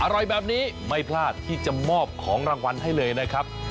อร่อยแบบนี้ไม่พลาดที่จะมอบของรางวัลให้เลยนะครับ